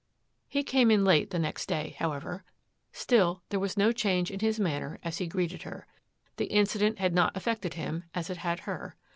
He came in late the next day, however. Still, there was no change in his manner as he greeted her. The incident had not affected him, as it had her.